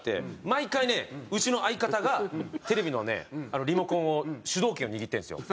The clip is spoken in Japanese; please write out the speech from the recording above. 毎回ねうちの相方がテレビのねリモコンを主導権を握ってるんですよ